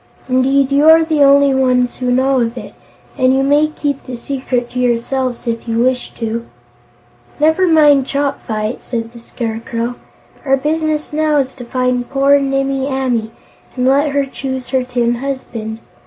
Indeed, you are the only ones who know of it, and you may keep the secret to yourselves, if you wish to." "Never mind Chopfyt," said the Scarecrow. "Our business now is to find poor Nimmie Amee and let her choose her tin husband.